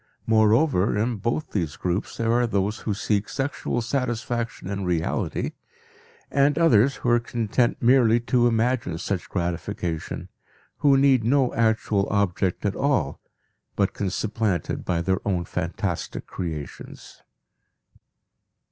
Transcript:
Moreover, in both these groups there are those who seek sexual satisfaction in reality, and others who are content merely to imagine such gratification, who need no actual object at all, but can supplant it by their own fantastic creations.